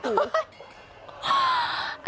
ฮ่า